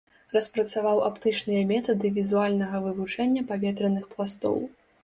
Распрацаваў аптычныя метады візуальнага вывучэння паветраных пластоў.